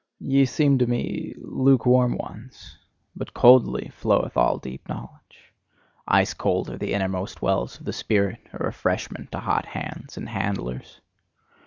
Ye seem to me lukewarm ones: but coldly floweth all deep knowledge. Ice cold are the innermost wells of the spirit: a refreshment to hot hands and handlers.